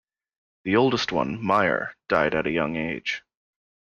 The oldest one, Maier, died at a young age.